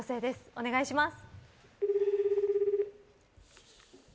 お願いします。